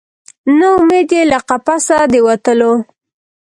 نه امید یې له قفسه د وتلو